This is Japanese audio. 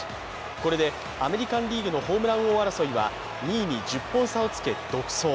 これでアメリカン・リーグのホームラン王争いは２位に１０本差をつけ独走。